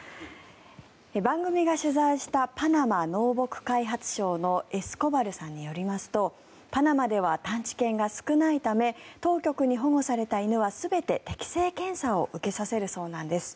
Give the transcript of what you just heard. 番組が取材したパナマ農牧開発省のエスコバルさんによりますとパナマでは探知犬が少ないため当局に保護された犬は全て適性検査を受けさせるそうなんです。